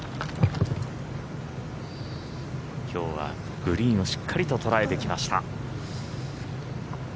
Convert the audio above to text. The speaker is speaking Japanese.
きょうはグリーンをしっかりと捉えてきました。